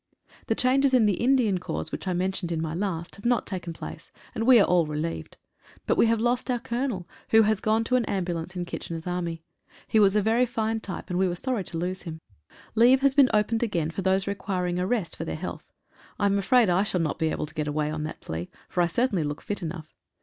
The changes in the Indian Corps, which I mentioned in my last, have not taken place, and we are all relieved. But we have lost our Colonel, who has gone to an ambu lance in "K's" army. He was a very fine type, and we were sorry to lose him. Leave has been opened again for those requiring a rest for their health. I am afraid I shall not be able to get away on that plea, for I certainly look fit enough.